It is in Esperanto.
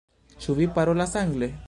Ĉu vi parolas angle?